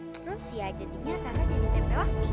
terus ya jadinya kakak jadi tempewati